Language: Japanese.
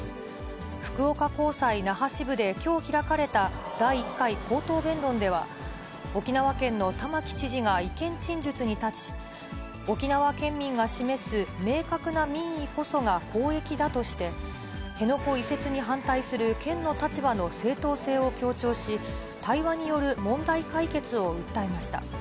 福岡高裁那覇支部できょう開かれた第１回口頭弁論では、沖縄県の玉城知事が意見陳述に立ち、沖縄県民が示す明確な民意こそが公益だとして、辺野古移設に反対する県の立場の正当性を強調し、対話による問題解決を訴えました。